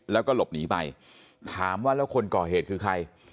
แล้วก็หลบหนีไปถามว่าแล้วคนก่อเหตุคือใคร